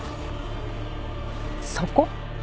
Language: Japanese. そこ？